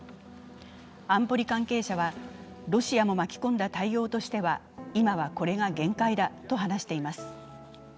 安保理関係者は、ロシアも巻き込んだ対応としては今はこれが限界だと話しています。